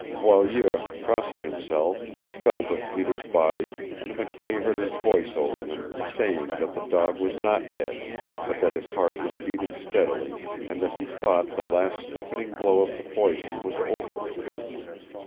Boileau, crossing himself, felt of Peter's body and McKay heard his voice over him, saying that the dog was not dead, but that his heart was beating steadily and that he thought the last stiffening blow of the poison was over.